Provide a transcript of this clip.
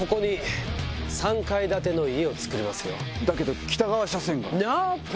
だけど北側斜線が。